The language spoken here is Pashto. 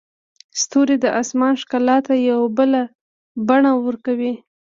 ستوري د اسمان ښکلا ته یو بله بڼه ورکوي.